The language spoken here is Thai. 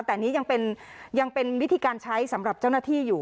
แต่อันนี้ยังเป็นวิธีการใช้สำหรับเจ้าหน้าที่อยู่